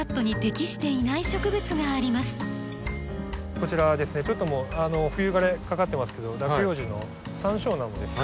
こちらですねちょっともう冬枯れかかってますけど落葉樹のサンショウなのですが。